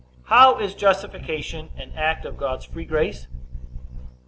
How is justification an act of God's free grace?